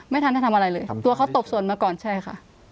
ไม่ทันได้ทำอะไรเลยครับตัวเขาตบส่วนมาก่อนใช่ค่ะ